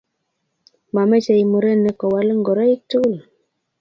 Mamechei murenik kowal ngoroik tugul